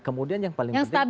kemudian yang paling penting